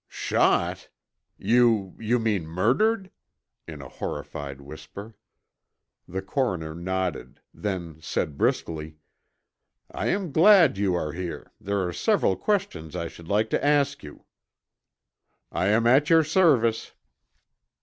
"Shot? You you mean murdered?" in a horrified whisper. The coroner nodded, then said briskly: "I am glad you are here. There are several questions I should like to ask you." "I am at your service."